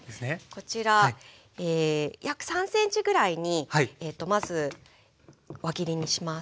こちら約３ｃｍぐらいにまず輪切りにします。